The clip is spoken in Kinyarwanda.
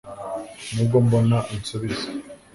nubwo mbona ansubiza